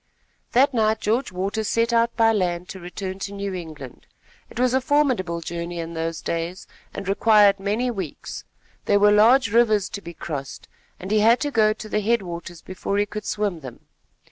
That night George Waters set out by land to return to New England. It was a formidable journey in those days, and required many weeks. There were large rivers to be crossed, and he had to go to the headwaters before he could swim them.